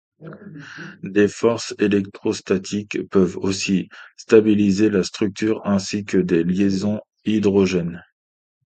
Des forces électrostatiques peuvent aussi stabiliser la structure ainsi que des liaisons hydrogène.